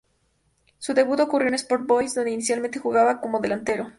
Su debut ocurrió en Sport Boys donde inicialmente jugaba como delantero.